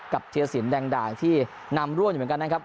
เทียสินแดงด่างที่นำร่วมอยู่เหมือนกันนะครับ